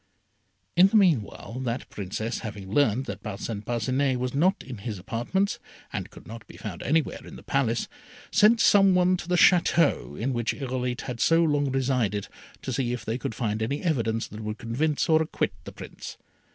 In the meanwhile that Princess having learned that Parcin Parcinet was not in his apartments, and could not be found anywhere in the Palace, sent some one to the Château in which Irolite had so long resided, to see if they could find any evidence that would convict or acquit the Prince.